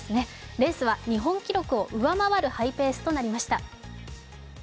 レースは日本記録を上回るハイペースとなりました。